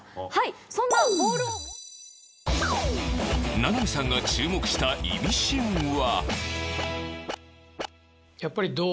名波さんが注目したイミシンは？